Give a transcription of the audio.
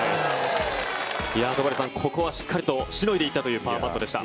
戸張さん、ここはしっかりとしのいでいったというパーパットでした。